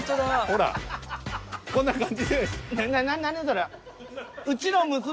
ほらこんな感じで。